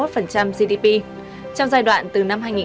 trong giai đoạn từ năm hai nghìn một mươi tám đến năm hai nghìn một mươi chín